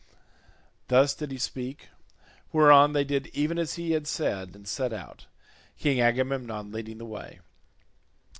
Thus did he speak; whereon they did even as he had said and set out, King Agamemnon leading the way.